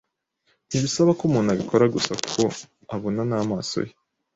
ntibisaba ko umuntu abikora gusa kuko abona n’amaso ye